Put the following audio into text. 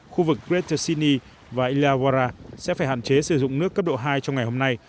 khu vực greta sydney và ilawara sẽ phải hạn chế sử dụng nước cấp độ hai trong ngày hôm nay